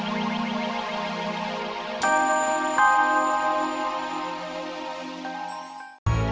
kita kerja lagi